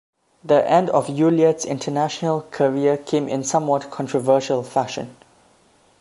The end of Ulyett's international career came in somewhat controversial fashion.